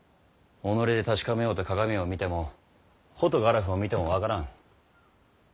己で確かめようと鏡を見てもホトガラフを見ても分からぬ。